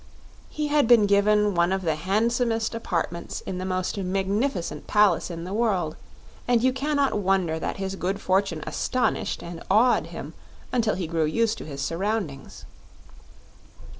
He had been given one of the handsomest apartments in the most magnificent palace in the world, and you can not wonder that his good fortune astonished and awed him until he grew used to his surroundings.